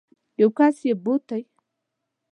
یو کس یو بوټی